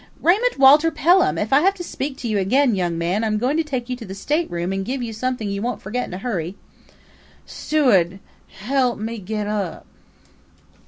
... "Raymund Walter Pelham, if I have to speak to you again, young man, I'm going to take you to the stateroom and give you something you won't forget in a hurry." ... "Stew'd, hellup me gellup."